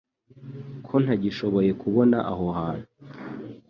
ko ntagishoboye kubona aho hantu